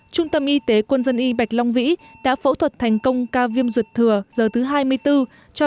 trung tâm y tế quân dân y bạch long vĩ đã phẫu thuật thành công ca viêm ruột thừa giờ thứ hai mươi bốn cho